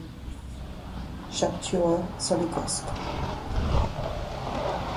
Shakhtyor Soligorsk